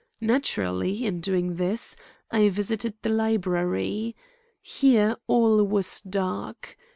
Naturally, in doing this, I visited the library. Here all was dark.